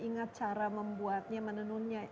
ingat cara membuatnya menenunnya